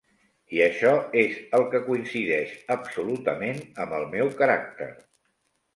I això és el que coincideix absolutament amb el meu caràcter.